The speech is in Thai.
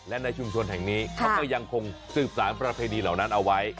และในชุมชนแห่งนี้เขาก็ยังคงสืบสารประเพณีเหล่านั้นเอาไว้